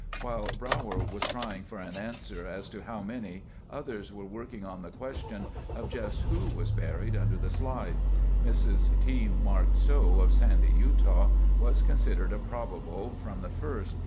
While Brauer was trying for an answer as to how many, others were working on the question of just who was buried under the slide. Mrs. T. Mark Stowe of Sandy, Utah, was considered a probable from the first.